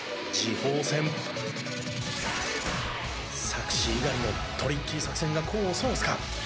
策士猪狩のトリッキー作戦が功を奏すか？